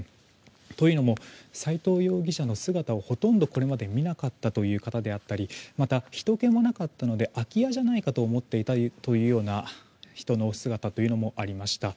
というのも斎藤容疑者の姿をほとんどこれまで見なかったという方だったりまた、ひとけもなかったので空き家だと思っていたというような人の姿というのもありました。